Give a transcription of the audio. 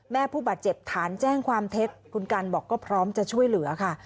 ผู้บาดเจ็บฐานแจ้งความเท็จคุณกันบอกก็พร้อมจะช่วยเหลือค่ะ